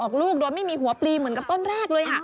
ออกลูกโดยไม่มีหัวปลีเหมือนกับต้นแรกเลย